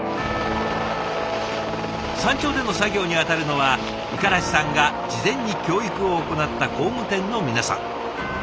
山頂での作業に当たるのは五十嵐さんが事前に教育を行った工務店の皆さん。